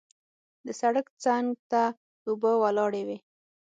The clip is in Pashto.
د سړک څنګ ته اوبه ولاړې وې.